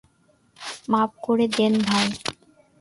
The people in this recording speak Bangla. মাফ করে দেন ভাই!